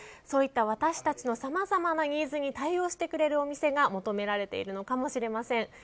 そういった私たちのさまざまなニーズに対応してくれるお店が求められているのかもしれません。